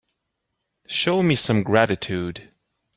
Show me some gratitude.